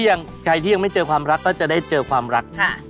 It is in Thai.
อย่างใครที่ยังไม่เจอความรักก็จะได้เจอความรัก